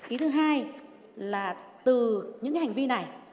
ý thứ hai là từ những hành vi này